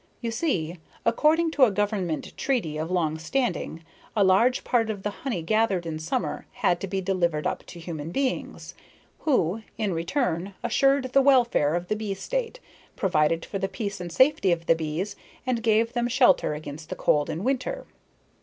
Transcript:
You see, according to a government treaty of long standing, a large part of the honey gathered in summer had to be delivered up to human beings, who in return assured the welfare of the bee state, provided for the peace and safety of the bees, and gave them shelter against the cold in winter.